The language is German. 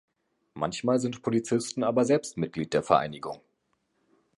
Manchmal sind Polizisten aber selbst Mitglied der Vereinigung.